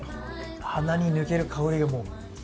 鼻に抜ける香りがもう。